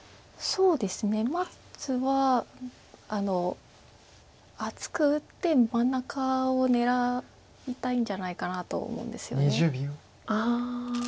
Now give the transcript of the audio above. まずは厚く打って真ん中を狙いたいんじゃないかなと思うんですよね。